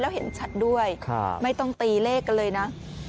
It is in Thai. แล้วเห็นชัดด้วยไม่ต้องตีเลขกันเลยนะ